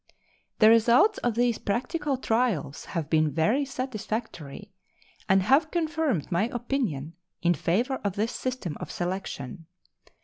The results of these practical trials have been very satisfactory, and have confirmed my opinion in favor of this system of selection.